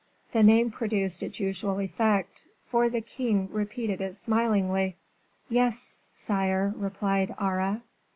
The name produced its usual effect, for the king repeated it smilingly. "Yes, sire," replied Aure.